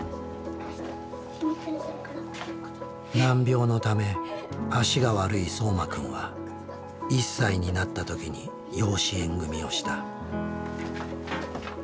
難病のため足が悪いそうま君は１歳になった時に養子縁組みをした。